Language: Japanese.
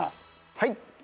はい。